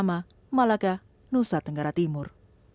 di kabirimau yogaris pratama malaka nusa tenggara timur